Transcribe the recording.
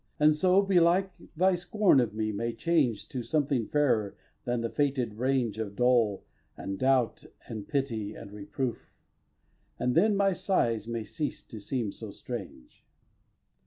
And so, belike, thy scorn of me may change To something fairer than the fated range Of dole, and doubt, and pity, and reproof; And then my sighs may cease to seem so strange.